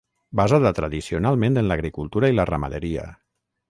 Basada tradicionalment en l'agricultura i la ramaderia.